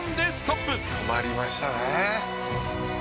「止まりましたね」